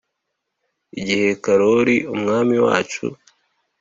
igiha karoli umwami wacu